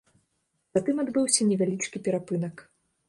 Затым адбыўся невялічкі перапынак.